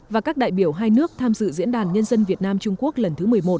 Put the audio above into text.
và các đại biểu hai nước tham dự diễn đàn nhân dân việt nam trung quốc lần thứ một mươi một